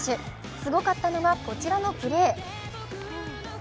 すごかったのが、こちらのプレー。